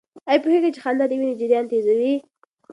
آیا پوهېږئ چې خندا د وینې جریان تېزوي؟